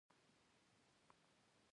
اقلیم د افغانستان د موسم د بدلون سبب کېږي.